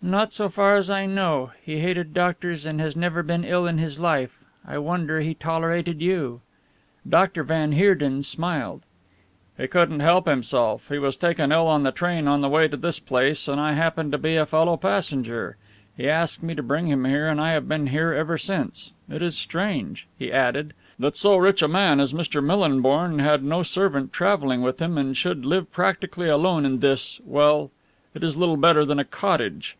"Not so far as I know he hated doctors, and has never been ill in his life. I wonder he tolerated you." Dr. van Heerden smiled. "He couldn't help himself. He was taken ill in the train on the way to this place and I happened to be a fellow passenger. He asked me to bring him here and I have been here ever since. It is strange," he added, "that so rich a man as Mr. Millinborn had no servant travelling with him and should live practically alone in this well, it is little better than a cottage."